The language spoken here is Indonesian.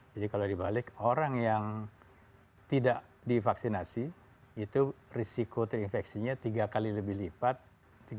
jadi kalau dibalik orang yang tidak divaksinasi itu risiko terinfeksinya tiga kali lebih lipat